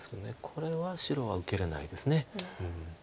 これは白は受けれないです。